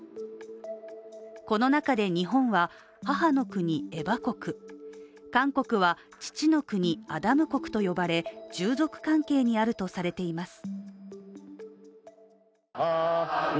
この中で日本は、「母の国・エバ国」、韓国は「父の国・アダム国」と呼ばれ従属関係にあるとされています。